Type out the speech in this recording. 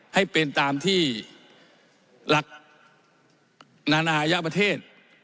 ให้เป็นตามที่หลักนานายประเทศ